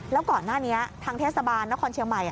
แล้วก่อนหน้านี้ทางเทศบาลนครเชียงใหม่